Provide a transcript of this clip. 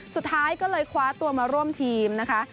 สุดท้ายก็เลยคว้าตัวมาร่วมทีมนะคะ